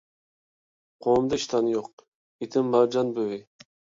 قوڭۇمدا ئىشتان يوق، ئېتىم مارجان بۈۋى.